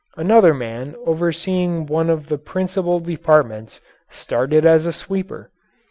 Another man overseeing one of the principal departments started as a sweeper.